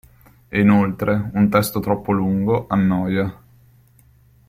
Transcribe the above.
E, inoltre, un testo troppo lungo annoia.